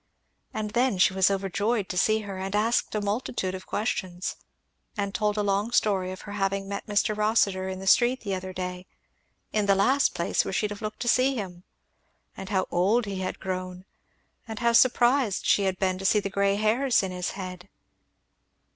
And then she was overjoyed to see her, and asked a multitude of questions, and told a long story of her having met Mr. Rossitur in the street the other day "in the last place where she'd have looked to see him;" and how old he had grown, and how surprised she had been to see the grey hairs in his head.